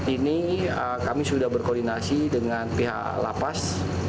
ini kami sudah berkoordinasi dengan pihak lapas